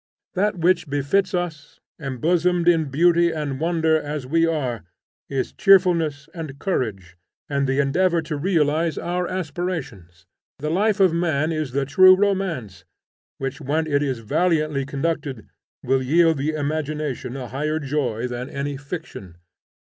That which befits us, embosomed in beauty and wonder as we are, is cheerfulness and courage, and the endeavor to realize our aspirations. The life of man is the true romance, which when it is valiantly conducted will yield the imagination a higher joy than any fiction.